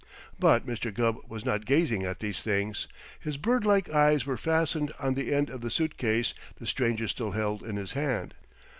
But Mr. Gubb was not gazing at these things. His bird like eyes were fastened on the end of the suitcase the stranger still held in his hand.